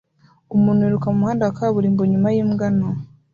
Umuntu yiruka mumuhanda wa kaburimbo nyuma yimbwa nto